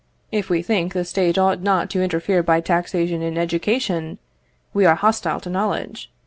If we think the State ought not to interfere by taxation in education, we are hostile to knowledge.